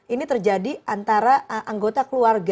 ini terjadi antara anggota keluarga